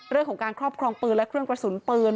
เรื่องของการครอบครองปืนและเครื่องกระสุนปืน